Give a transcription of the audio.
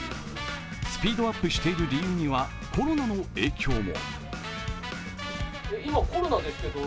スピードアップしている理由にはコロナの影響も。